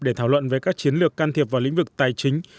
để thảo luận về các chiến lược can thiệp vào lĩnh vực tài chính